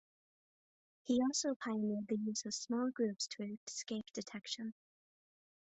He also pioneered the use of small groups to escape detection.